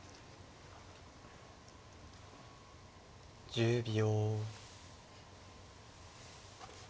１０秒。